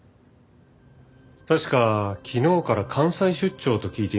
確か昨日から関西出張と聞いていましたが。